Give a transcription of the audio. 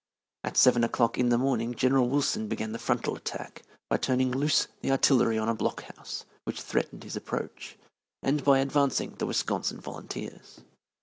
At seven o'clock in the morning General Wilson began the frontal attack by turning loose the artillery on a block house, which threatened his approach, and by advancing the Wisconsin Volunteers.